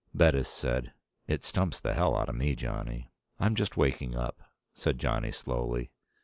Bettis said, "It stumps the hell out of me, Johnny." "I'm just waking up," said Johnny slowly.